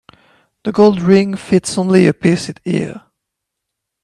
The gold ring fits only a pierced ear.